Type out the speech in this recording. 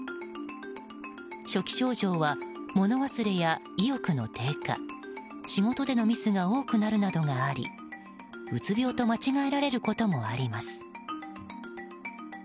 初期症状は物忘れや意欲の低下仕事でのミスが多くなるなどがありうつ病と間違えられることもあります。